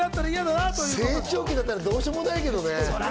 成長期だったらどうしようもないけどね。